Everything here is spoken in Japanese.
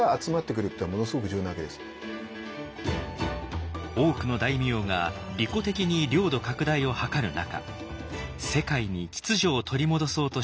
いうことを提示して多くの大名が利己的に領土拡大を図る中世界に秩序を取り戻そうとしていた信長。